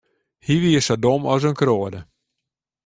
Hy wie sa dom as in kroade.